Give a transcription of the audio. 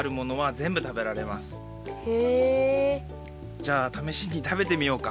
じゃあためしに食べてみようか。